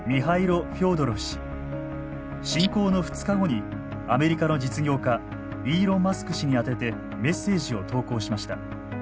侵攻の２日後にアメリカの実業家イーロン・マスク氏に宛ててメッセージを投稿しました。